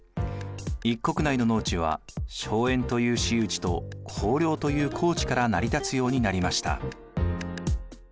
一国内の農地は荘園という私有地と公領という公地から成り立つようになりました。